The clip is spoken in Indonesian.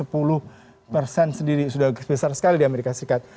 persen sendiri sudah besar sekali di amerika serikat